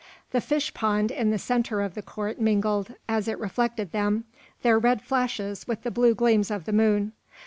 The fish pond in the centre of the court mingled, as it reflected them, their red flashes with the blue gleams of the moon.